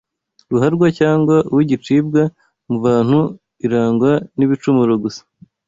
ruharwa cyangwa uw’igicibwa mu bantu irangwa n’ibicumuro gusa